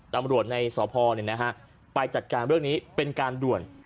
ตำรวจในสพไปจัดการเรื่องนี้เป็นการด่วน